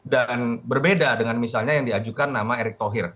berbeda dengan misalnya yang diajukan nama erick thohir